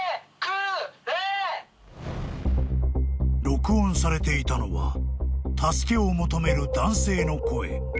［録音されていたのは助けを求める男性の声］